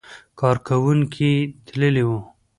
کارکوونکي یې تللي وو.